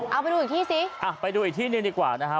เอาไปดูอีกที่ซิไปดูอีกที่หนึ่งดีกว่านะฮะ